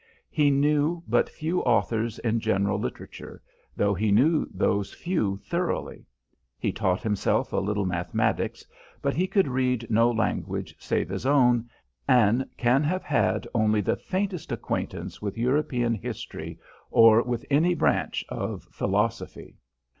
He knew but few authors in general literature, though he knew those few thoroughly. He taught himself a little mathematics, but he could read no language save his own, and can have had only the faintest acquaintance with European history or with any branch of philosophy.